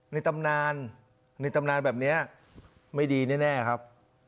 ในตำนานในตำนานแบบนี้ไม่ดีแน่ครับ